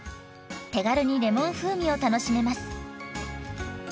手軽にレモン風味を楽しめます。